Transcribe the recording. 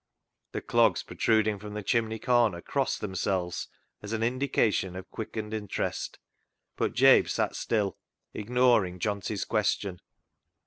" The clogs protruding from the chimney corner crossed themselves, as an indication of quickened interest ; but Jabe sat still, ignoring Johnty's question.